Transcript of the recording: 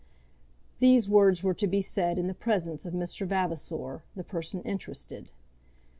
These words were to be said in the presence of Mr. Vavasor, the person interested.